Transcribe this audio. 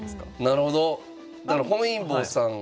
なるほど。